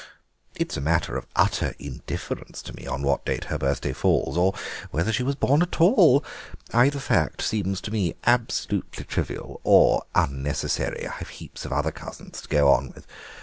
It's a matter of utter indifference to me on what date her birthday falls, or whether she was born at all; either fact seems to me absolutely trivial, or unnecessary—I've heaps of other cousins to go on with.